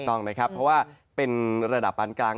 ต้องนะครับเพราะว่าเป็นระดับปานกลาง